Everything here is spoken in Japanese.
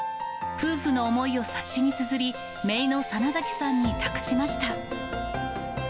夫婦の思いを冊子につづり、めいの真崎さんに託しました。